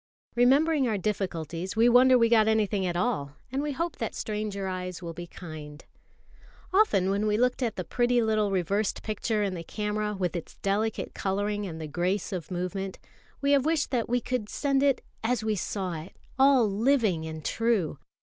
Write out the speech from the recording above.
Remembering our difficulties, we wonder we got anything at all; and we hope that stranger eyes will be kind. [Illustration: PYÂRIE AND VINEETHA. "Do smile, you little Turk!"] Often when we looked at the pretty little reversed picture in the camera, with its delicate colouring and the grace of movement, we have wished that we could send it as we saw it, all living and true.